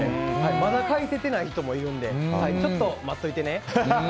まだ返せてない人もいるのでちょっと待っといてね。